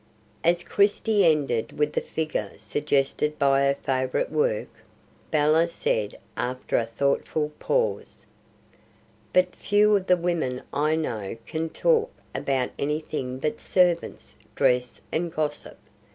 As Christie ended with the figure suggested by her favorite work, Bella said after a thoughtful pause: "But few of the women I know can talk about any thing but servants, dress, and gossip.